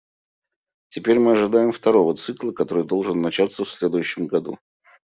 Теперь мы ожидаем второго цикла, который должен начаться в следующем году.